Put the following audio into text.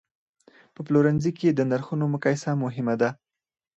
په پلورنځي کې د نرخونو مقایسه مهمه ده.